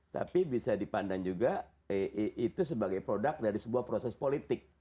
tapi bisa dipandang juga itu sebagai produk dari sebuah proses politik